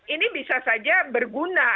ini bisa saja berguna